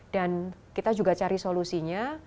dan kita juga cari solusinya